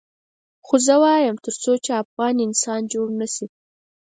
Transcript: خو زه وایم تر څو چې افغان انسان جوړ نه شي.